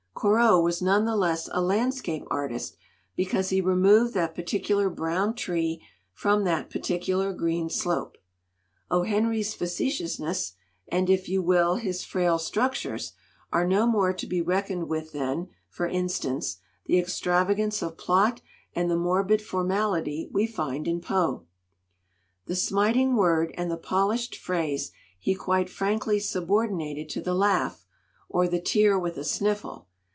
"Corot was none the less a landscape artist because he removed that particular brown tree from that particular green slope. O. Henry's 248 "CHOCOLATE FUDGE' facetiousness and, if you will, his frail structures, are no more to be reckoned with than, for in stance, the extravagance of plot and the morbid formality we find in Poe. "The smiting word and the polished phrase he quite frankly subordinated to the laugh, or the tear with a sniffle.